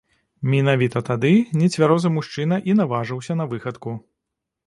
Менавіта тады нецвярозы мужчына і наважыўся на выхадку.